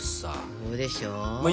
そうでしょう。